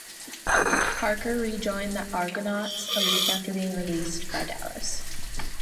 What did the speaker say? Parker re-joined the Argonauts a week after being released by Dallas.